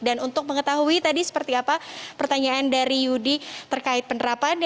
dan untuk mengetahui tadi seperti apa pertanyaan dari yudi terkait penerapan